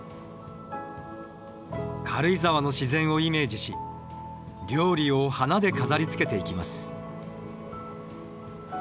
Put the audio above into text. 軽井沢の自然をイメージし料理を花で飾りつけていきます。